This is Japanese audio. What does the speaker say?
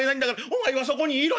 お前はそこにいろ」。